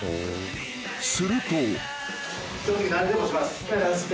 ［すると］